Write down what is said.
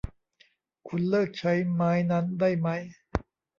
คุณเลิกใช้ไม้นั้นได้มั้ย !